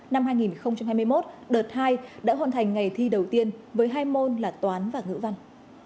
năm hai nghìn hai mươi một đợt hai đã hoàn thành ngày thi đầu tiên với hai môn là toán và ngữ văn